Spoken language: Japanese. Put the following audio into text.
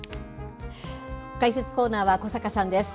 解説コーナーは小坂さんです。